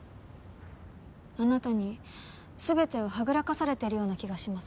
あなたに全てをはぐらかされてるような気がします。